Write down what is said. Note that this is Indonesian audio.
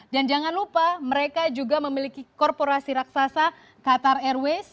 dan jangan lupa mereka juga memiliki korporasi raksasa qatar airways